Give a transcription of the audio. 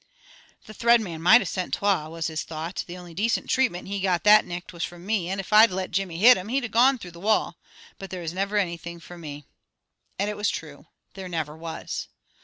"The Thread Man might have sent twa," was his thought. "The only decent treatment he got that nicht was frae me, and if I'd let Jimmy hit him, he'd gone through the wall. But there never is anything fra me!" And that was true. There never was.